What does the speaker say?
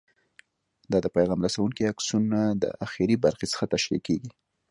دا د پیغام رسونکي آکسون د اخري برخې څخه ترشح کېږي.